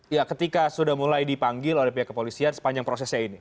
ya ketika sudah mulai dipanggil oleh pihak kepolisian sepanjang prosesnya ini